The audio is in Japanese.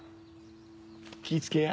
気ぃつけや。